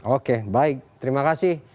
oke baik terima kasih